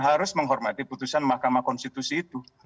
harus menghormati putusan mahkamah konstitusi itu